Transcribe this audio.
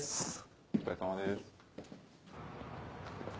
お疲れさまです。